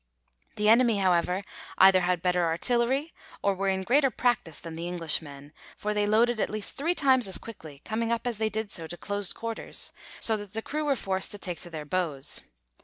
The enemy however either had better artillery or were in greater practice than the English men, for they loaded at least three times as quickly, coming up as they did so to closed quarters, so that the crew were forced to take to their bows.